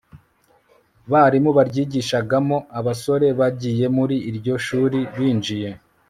barimu baryigishagamo Abasore bagiye muri iryo shuri binjiye